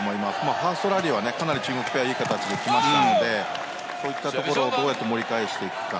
ファーストラリーはかなり中国ペアいい形で来ましたのでそういったところをどうやって盛り返していくか。